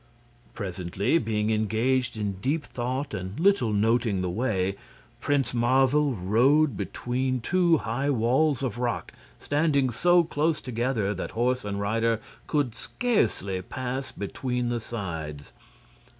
Presently, being engaged in deep thought and little noting the way, Prince Marvel rode between two high walls of rock standing so close together that horse and rider could scarcely pass between the sides.